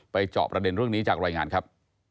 จอบประเด็นเรื่องนี้จากรายงานครับ